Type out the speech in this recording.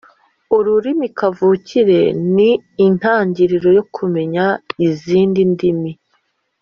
Ururimi kavukire ni intangiriro yo kumenya izindi ndimi.